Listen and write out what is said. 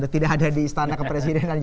tidak ada di istana kepresidenan